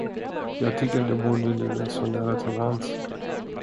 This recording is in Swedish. Jag tycker det borde ligga så nära till hands.